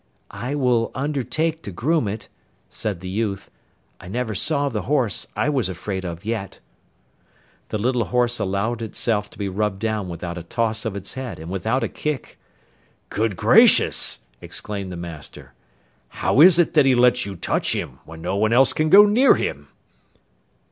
'I will undertake to groom it,' said the youth. 'I never saw the horse I was afraid of yet.' The little horse allowed itself to be rubbed down without a toss of its head and without a kick. 'Good gracious!' exclaimed the master; 'how is it that he lets you touch him, when no one else can go near him?